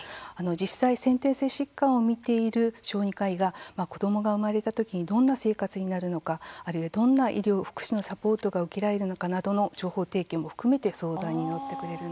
実際、先天性疾患を診ている小児科医が子どもが生まれたときにどんな生活になるのかあるいは、どんな医療・福祉のサポートが受けられるのかなどの情報提供も含めて相談に乗ってくれるんです。